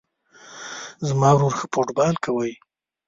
زما ورور ښه فوټبال کوی